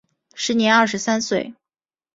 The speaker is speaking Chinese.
时年二十三岁。